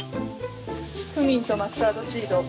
クミンとマスタードシードああ